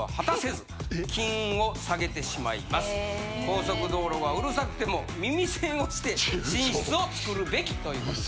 「高速道路がうるさくても耳栓をして寝室を作るべき」ということ。